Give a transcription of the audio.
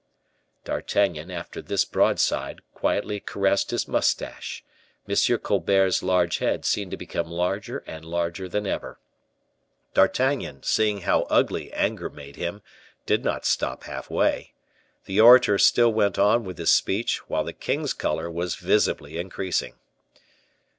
D'Artagnan, after this broadside, quietly caressed his mustache; M. Colbert's large head seemed to become larger and larger than ever. D'Artagnan, seeing how ugly anger made him, did not stop half way. The orator still went on with his speech, while the king's color was visibly increasing.